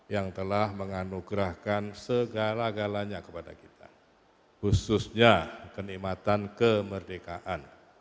yang telah menganugerahkan segala galanya kepada kita khususnya kenikmatan kemerdekaan